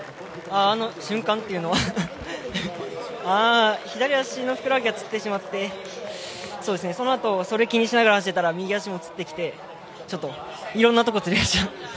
あの瞬間っていうのはああ左足のふくらはぎがつってしまって、そのあと、それを気にしながら走ってたら右足もつってきてちょっといろんなところがつりました。